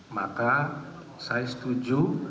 maka saya setuju